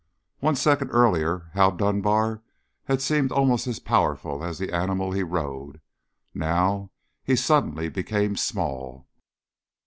One second earlier Hal Dunbar had seemed almost as powerful as the animal he rode; now he suddenly became small.